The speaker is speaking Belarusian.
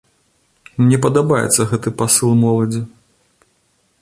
Мне падабаецца гэты пасыл моладзі.